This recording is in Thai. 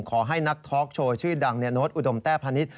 ขอให้นักทอล์กโชว์ชื่อดังโน้ตอุดมแต้พาณิชย